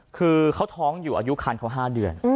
คือเขาท้องอยู่อายุคันเขา๕เดือน